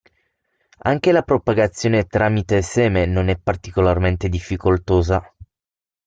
Anche la propagazione tramite seme non è particolarmente difficoltosa.